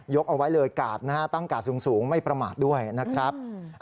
ยกเอาไว้เลยตั้งกาดสูงไม่ประมาทด้วยนะครับ